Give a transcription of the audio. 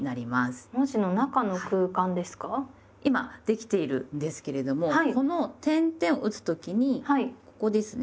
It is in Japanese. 今できているんですけれどもこの点々を打つ時にここですね。